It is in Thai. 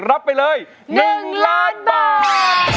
รับไปเลย๑ล้านบาท